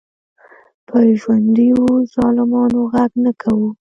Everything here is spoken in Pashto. په ژوندیو ظالمانو غږ نه کوو.